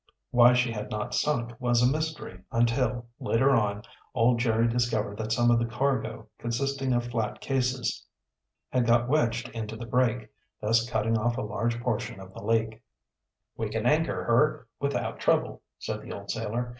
Why she had not sunk was a mystery until, later on, old Jerry discovered that some of the cargo, consisting of flat cases, had got wedged into the break, thus cutting off a large portion of the leak. "We can anchor her without trouble," said the old sailor.